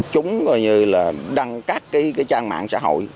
chúng coi như là đăng các cái trang mạng xã hội